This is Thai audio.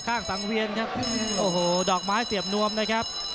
สังเวียนครับโอ้โหดอกไม้เสียบนวมนะครับ